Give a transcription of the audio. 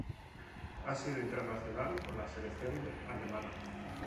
Ha sido internacional con la selección alemana.